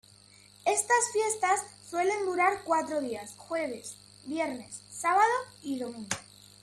Estas fiestas suelen durar cuatro días: Jueves, viernes, sábado y domingo.